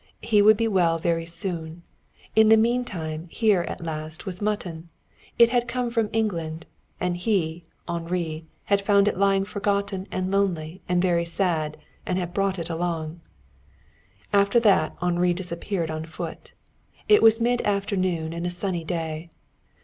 He would be well very soon. In the meantime here at last was mutton. It had come from England, and he, Henri, had found it lying forgotten and lonely and very sad and had brought it along. After that Henri disappeared on foot. It was midafternoon and a sunny day.